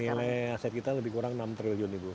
nilai aset kita lebih kurang enam triliun ibu